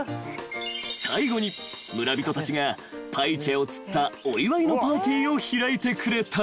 ［最後に村人たちがパイチェを釣ったお祝いのパーティーを開いてくれた］